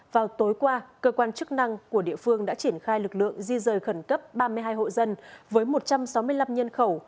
vào tối qua cơ quan chức năng của địa phương đã triển khai lực lượng di rời khẩn cấp ba mươi hai hộ dân với một trăm sáu mươi năm nhân khẩu